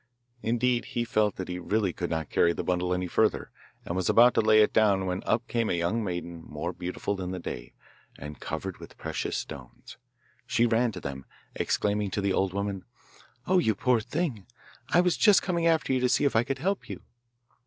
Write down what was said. Indeed, he felt that he really could not carry the bundle any further, and was about to lay it down when up came a young maiden more beautiful than the day, and covered with precious stones. She ran to them, exclaiming to the old woman, 'Oh, you poor thing! I was just coming after you to see if I could help you.